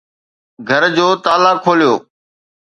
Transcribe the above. گهر جو تالا کوليو